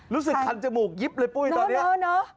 รู้สึกคันจมูกยิบเลยปุ้ยตอนนี้